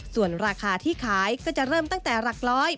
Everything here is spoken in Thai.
ส่วนราคาที่ขายก็จะเริ่มตั้งแต่หลักร้อย